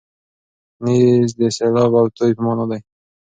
نیز د سېلاب او توی په مانا دی.